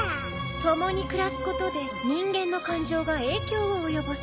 共に暮らすことで人間の感情が影響を及ぼす。